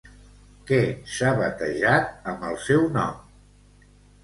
Què s'ha batejat amb el seu nom?